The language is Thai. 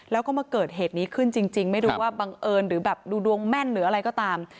แล้วก็มาเกิดเหตุนี้ขึ้นจริงไม่รู้ว่าบังเอิญหรือแบบดูดวงแม่นหรืออะไรก็ตาม